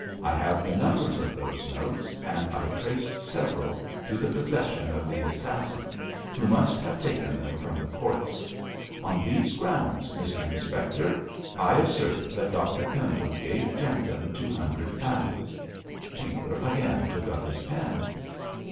I have the numbers of those notes, and I traced several to the possession of the assassin, who must have taken them from the corpse. On these grounds, Mr Inspector, I assert that Dr Pendle gave Jentham two hundred pounds.' Tinkler again took up his pen.